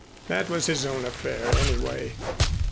That was his own affair, anyway.